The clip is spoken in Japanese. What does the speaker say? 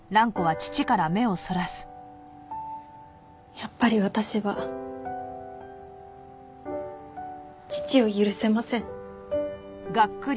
やっぱり私は父を許せません。